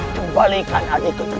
sebenarnya pas longest